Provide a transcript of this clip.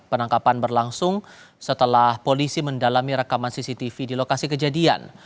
penangkapan berlangsung setelah polisi mendalami rekaman cctv di lokasi kejadian